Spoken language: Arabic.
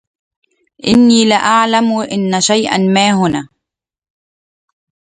إني لأعلم أن شيئا ما هنا